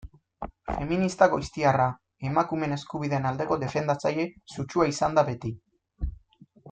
Feminista goiztiarra, emakumeen eskubideen aldeko defendatzaile sutsua izan da beti.